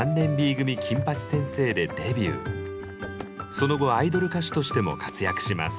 その後アイドル歌手としても活躍します。